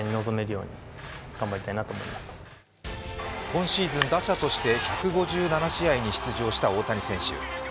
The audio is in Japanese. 今シーズン、打者として１５７試合に出場した大谷選手。